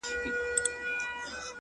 • صبر په هر څه کي په کار دی,